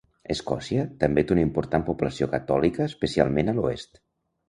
Escòcia també té una important població catòlica, especialment a l'oest.